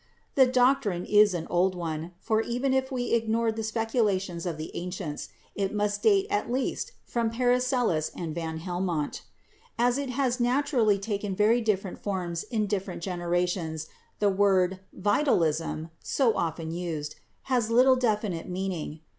"The doctrine is an old one, for even if we ignore the speculations of the ancients, it must date at least from Paracelsus and Van Helmont. As it has naturally taken very different forms in different generations, the word 'vitalism,' so often used, has little definite meaning.